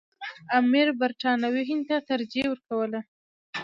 امیر برټانوي هند ته ترجیح ورکوله.